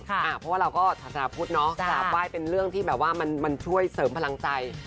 เพราะว่าเราก็ศาสนาพุทธเนาะกราบไหว้เป็นเรื่องที่แบบว่ามันช่วยเสริมพลังใจ